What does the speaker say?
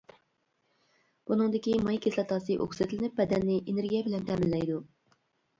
بۇنىڭدىكى ماي كىسلاتاسى ئوكسىدلىنىپ، بەدەننى ئېنېرگىيە بىلەن تەمىنلەيدۇ.